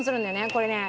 これね。